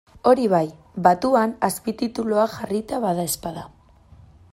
Hori bai, batuan azpitituluak jarrita badaezpada.